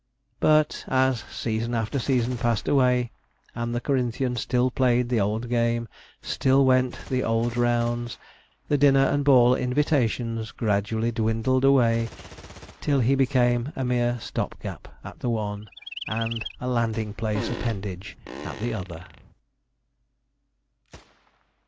But as season after season passed away, and the Corinthian still played the old game still went the old rounds the dinner and ball invitations gradually dwindled away, till he became a mere stop gap at the one, and a landing place appendage at the other.